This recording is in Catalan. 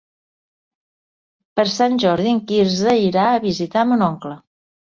Per Sant Jordi en Quirze irà a visitar mon oncle.